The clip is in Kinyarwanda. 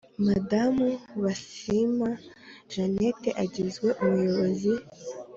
Madamu basiima janet agizwe umuyobozi